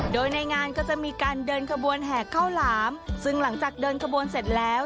โดยในงานก็จะมีการเดินขบวนแห่ข้าวหลามซึ่งหลังจากเดินขบวนเสร็จแล้ว